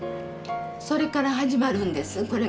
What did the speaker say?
それから始まるんです